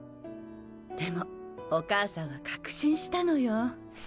でもお母さんは確信したのよ。